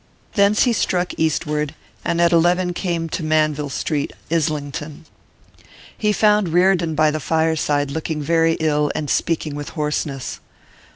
Thence he struck eastward, and at eleven came to Manville Street, Islington. He found Reardon by the fireside, looking very ill, and speaking with hoarseness.